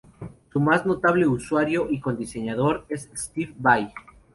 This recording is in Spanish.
Su más notable usuario y co-diseñador es Steve Vai.